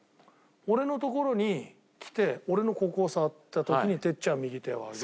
俺の所に来て俺のここを触った時に哲ちゃん右手を上げ。